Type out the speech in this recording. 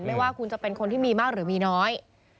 ไม่ว่าคุณจะเป็นคนที่มีมากหรือมีน้อย